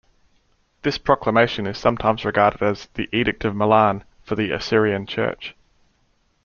This proclamation is sometimes regarded as "the Edict of Milan for the Assyrian Church".